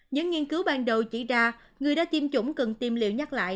những nghiên cứu ban đầu chỉ ra người đã tiêm chủng cần tiêm liệu nhắc lại